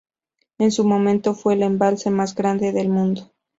En su momento, fue el embalse más grande del mundo.